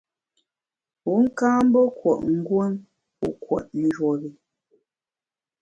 Wu ka mbe kùot nguon wu kùot njuop i.